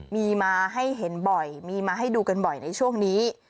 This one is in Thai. มีมาให้เห็นบ่อยมีมาให้ดูกันบ่อยในช่วงนี้